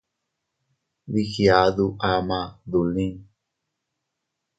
Dii giadu ama dolin.